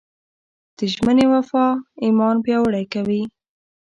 د ژمنې وفا ایمان پیاوړی کوي.